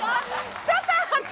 「ちょっと待って！